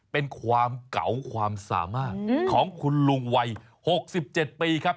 เป็นความเก่าความสามารถของคุณลุงวัย๖๗ปีครับ